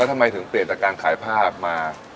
แล้วทำไมถึงเปลี่ยนแต่การขายผ้ามา